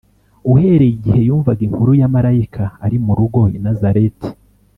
Uhereye igihe yumvaga inkuru ya Marayika ari mu rugo i Nazareti